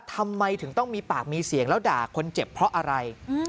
ทำไมถึงต้องมีปากมีเสียงแล้วด่าคนเจ็บเพราะอะไร